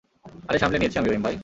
আরে সামলে নিয়েছি আমি রহিম ভাই।